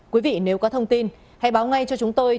quý vị nếu có thông tin hãy báo ngay cho chúng tôi